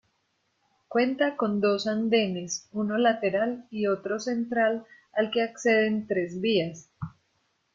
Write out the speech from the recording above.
Cuenta con dos andenes, uno lateral y otro central, al que acceden tres vías.